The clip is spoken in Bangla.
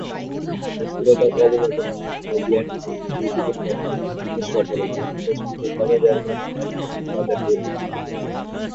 অস্থিরতা ও অপব্যবহার সত্ত্বেও গ্র্যান্ড খালটি সুই যুগের পর থেকে চীনের শহুরে জনগোষ্ঠী ও ক্রমবর্ধমান অর্থনৈতিক বাজারকে উদ্বুদ্ধ করেছিল।